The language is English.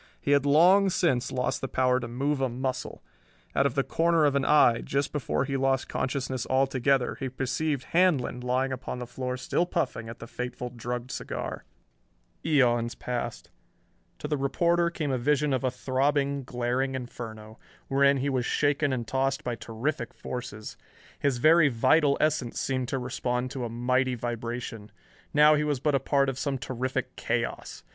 He had long since lost the power to move a muscle. Out of the corner of an eye, just before he lost consciousness altogether, he perceived Handlon lying upon the floor still puffing at the fateful drugged cigar. Eons passed. To the reporter came a vision of a throbbing, glaring inferno, wherein he was shaken and tossed by terrific forces. His very vital essence seemed to respond to a mighty vibration. Now he was but a part of some terrific chaos.